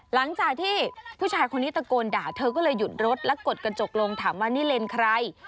หลังจากที่ผู้ชายคนนี้ตะโกนด่าเธอก็เลยหยุดรถและกดกระจกลงถามว่านี่เลนใคร